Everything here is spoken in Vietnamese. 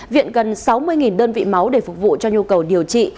viện gần sáu mươi đơn vị máu để phục vụ cho nhu cầu điều trị